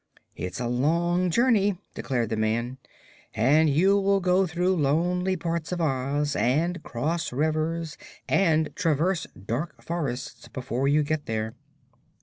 "It is a long journey," declared the man, "and you will go through lonely parts of Oz and cross rivers and traverse dark forests before you get there."